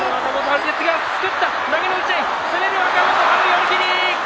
寄り切り。